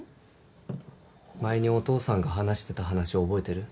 前にお父さんが話してた話覚えてる？